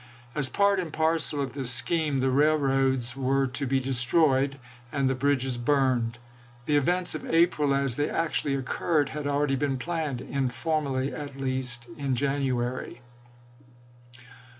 As part and parcel of this scheme, the railroads were to be destroyed and the bridges burned. The events of April, as they actually occurred, had already been planned, informally at least, in January.